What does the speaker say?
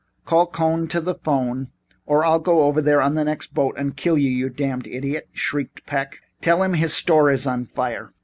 "Call Cohn to the 'phone or I'll go over there on the next boat and kill you, you damned idiot," shrieked Peck. "Tell him his store is on fire."